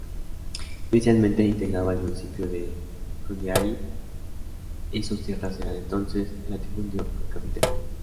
Inicialmente integraba el municipio de Jundiaí, y sus tierras eran entonces latifundio cafetero.